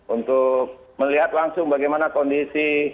untuk melihat langsung bagaimana kondisi